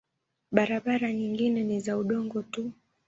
Barabara nyingine ni za udongo tu.